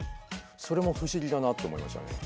それも不思議だなと思いましたね。